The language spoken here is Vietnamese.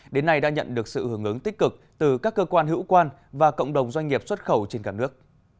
đến nay đã nhận được sự hưởng ứng tích cực từ các cơ quan hữu quan và cộng đồng doanh nghiệp xuất khẩu trên cả nước